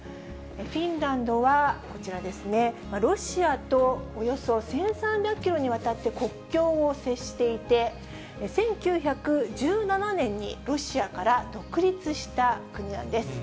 フィンランドはこちらですね、ロシアと、およそ１３００キロにわたって国境を接していて、１９１７年にロシアから独立した国なんです。